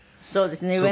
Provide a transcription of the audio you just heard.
そうですね。